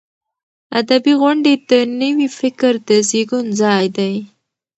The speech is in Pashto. ادبي غونډې د نوي فکر د زیږون ځای دی.